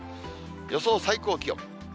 予想最高気温。